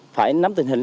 phải nắm tình hình